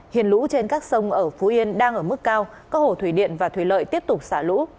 hiện lũ trên các sông ở phú yên đang ở mức cao các hồ thủy điện và thủy lợi tiếp tục xả lũ